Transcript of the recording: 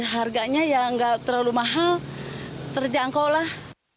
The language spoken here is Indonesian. harganya ya nggak terlalu mahal terjangkau lah